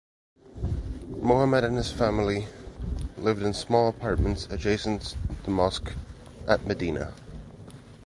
Muhammad and his family lived in small apartments adjacent the mosque at Medina.